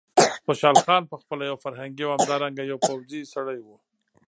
خوشحال خان په خپله یو فرهنګي او همدارنګه یو پوځي سړی و.